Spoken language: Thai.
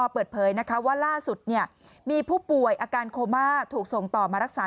เปิดเผยว่าล่าสุดมีผู้ป่วยอาการโคม่าถูกส่งต่อมารักษา